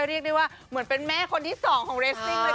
เรียกได้ว่าเหมือนเป็นแม่คนที่สองของเรสซิ่งเลย